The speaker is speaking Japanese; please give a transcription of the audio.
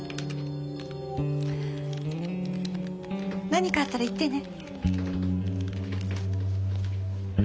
何かあったら言ってね。